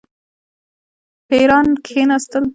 پیران کښېنستل.